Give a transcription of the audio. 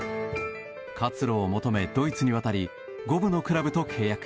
活路を求めドイツに渡り５部のクラブと契約。